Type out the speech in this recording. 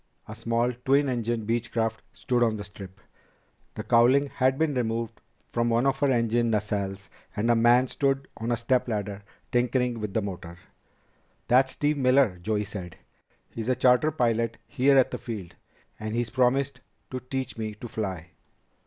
A small, twin engine Beechcraft stood on the strip. The cowling had been removed from one of her engine nacelles and a man stood on a step ladder tinkering with the motor. "That's Steve Miller," Joey said. "He's a charter pilot here at the field, and he's promised to teach me to fly."